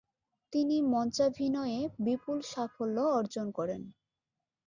তিনি মঞ্চাভিনয়ে বিপুল সাফল্য অর্জন করেন।